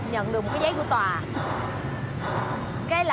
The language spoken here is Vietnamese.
nhận được một cái giấy của tòa